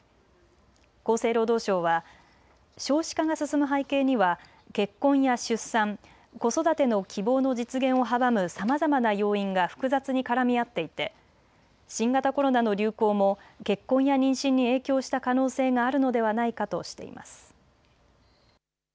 厚生労働省は少子化が進む背景には結婚や出産子育ての希望の実現をはばむさまざまな要因が複雑に絡み合っていて新型コロナの流行も結婚や妊娠に影響した可能性があるのではないかとしています。